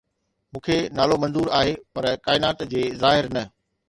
مون کي نالو منظور آهي پر ڪائنات جي ظاهر نه